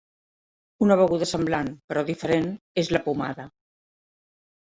Una beguda semblant, però diferent, és la pomada.